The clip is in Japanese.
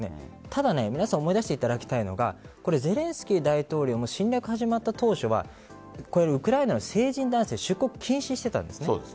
ただ、皆さん思い出していただきたいのがゼレンスキー大統領も侵略が始まった当初はウクライナの成人男性出国禁止していたんです。